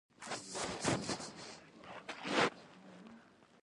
ځکه هېڅ طاقت په دنيا کې نشته .